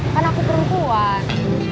kan aku perut keluar